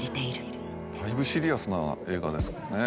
だいぶシリアスな映画ですもんね。